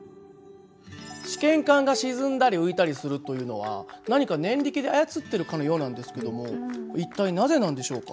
試験管が沈んだり浮いたりするというのは何か念力で操ってるかのようなんですけども一体なぜなんでしょうか？